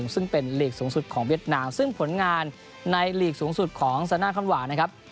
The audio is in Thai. ซึ่งเป็นลีกสูงสุดของเวียดนามซึ่งผลงานในหลีกสูงสุดของซาน่าคอนหวานะครับ